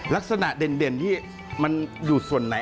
ลักษณะเด่นที่มันอยู่ส่วนไหน